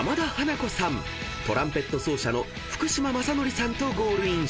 ［トランペット奏者の福島正紀さんとゴールインした］